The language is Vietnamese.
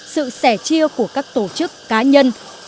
sự sẻ chia của các tổ chức cá nhân